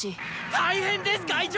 大変です会長！